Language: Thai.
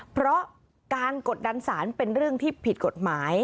เพราะการกดดันสารเป็นเรื่องที่ผิดกฎหมาย